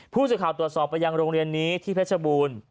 ผู้สื่อข่าวตรวจสอบไปยังโรงเรียนนี้ที่เพชรบูรณ์